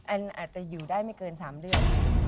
อาจจะอยู่ได้ไม่เกิน๓เดือน